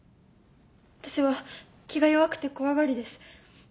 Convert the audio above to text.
私は気が弱くて怖がりです。